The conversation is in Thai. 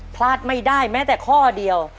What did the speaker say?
พลาดไม่ได้แม้แต่ข้อเดียว